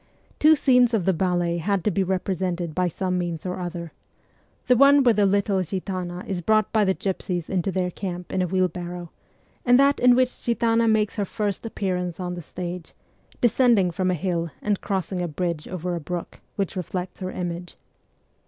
Two scenes of the ballet had to be represented by some means or other : the one where the little Gitana is brought by the gypsies into their camp in a wheel barrow, and that in which Gitana makes her first appearance on the stage, descending from a hill and crossing a bridge over a brook which reflects her image.